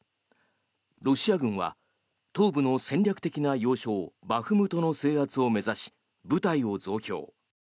ロシア軍は東部の戦略的な要衝バフムトの制圧を目指し部隊を増強。